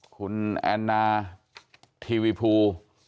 คุณแอนนาทีวีภู